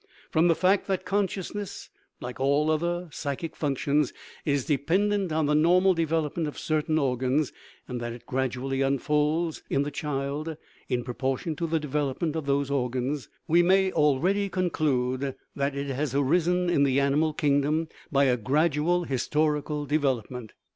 From the fact that consciousness, like all other psy chic functions, is dependent on the normal development of certain organs, and that it gradually unfolds in the child in proportion to the development of those organs, we may already conclude that it has arisen in the animal kingdom by a gradual historical de velopment.